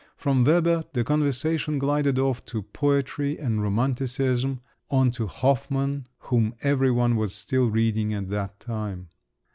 From Weber the conversation glided off on to poetry and romanticism, on to Hoffmann, whom every one was still reading at that time.